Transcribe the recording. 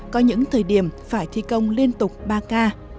có những thời điểm phải thi công liên tục ba k